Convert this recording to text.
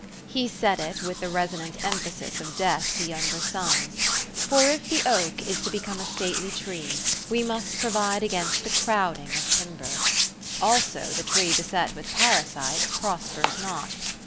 He said it with the resonant emphasis of death to younger sons. For if the oak is to become a stately tree, we must provide against the crowding of timber. Also the tree beset with parasites prospers not.